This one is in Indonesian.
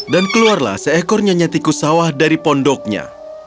dan keluarlah seekor nyanyi tikus sawah dari pondoknya